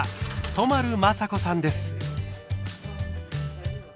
都丸雅子さんです。